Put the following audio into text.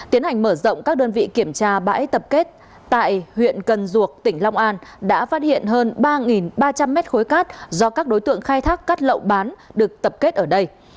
tiến hành mở rộng các đơn vị kiểm tra bãi tập kết tại huyện cần duộc tỉnh long an đã phát hiện hơn ba ba trăm linh mét khối cát do các đối tượng khai thác cát lậu bán được tập kết ở đây